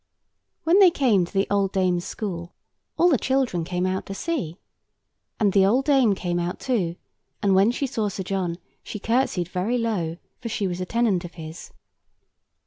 When they came to the old dame's school, all the children came out to see. And the old dame came out too; and when she saw Sir John, she curtsied very low, for she was a tenant of his.